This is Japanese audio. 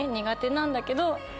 苦手なんだけど。